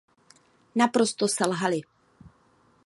Naprosto selhaly.